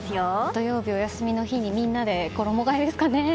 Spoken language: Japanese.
土曜日、お休みの日にみんなで衣替えですかね。